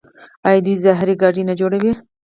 آیا دوی زرهي ګاډي نه جوړوي؟